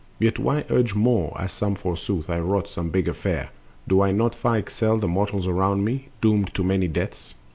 Yet why urge more, as if forsooth I wrought Some big affair—do I not far excel The mortals round me, doomed to many deaths!